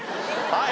はい。